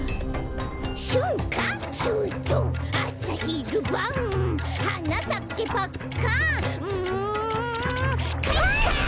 「しゅんかしゅうとうあさひるばん」「はなさけパッカン」んかいか！